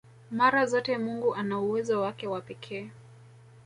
Mara zote Mungu ana uwezo wake wa pekee